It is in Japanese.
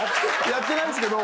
やってないですけど。